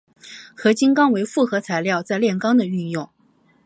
合金钢为复合材料在炼钢的运用。